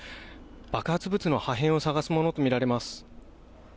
爆発物の破片を探すものとみられます。